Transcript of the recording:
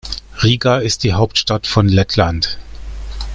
Riga ist die Hauptstadt von Lettland.